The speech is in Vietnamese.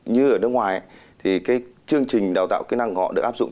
như ở nước ngoài chương trình đào tạo kỹ năng của họ được áp dụng